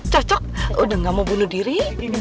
cocok udah gak mau bunuh diri